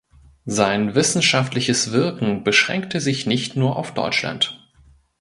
Sein wissenschaftliches Wirken beschränkte sich nicht nur auf Deutschland.